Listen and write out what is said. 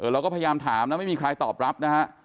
เราก็พยายามถามนะไม่มีใครตอบรับนะฮะ